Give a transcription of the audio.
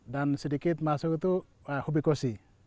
dan sedikit masuk itu hubikosi